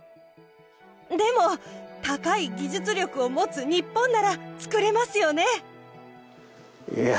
でも高い技術力を持つ日本なら作れますよねいや